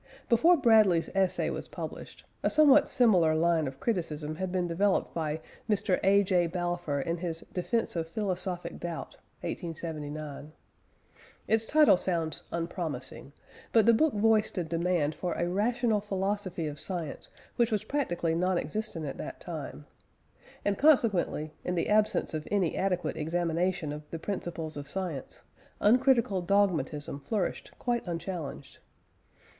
Before Bradley's essay was published, a somewhat similar line of criticism had been developed by Mr. A. J. Balfour in his Defence of Philosophic Doubt (1879). Its title sounds unpromising, but the book voiced a demand for a rational philosophy of science which was practically non existent at that time; and consequently, in the absence of any adequate examination of the principles of science, uncritical dogmatism flourished quite unchallenged.